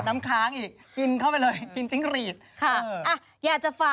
ไม่ได้กินจิ้งหน่งจิ้งหรีดอะไรนะ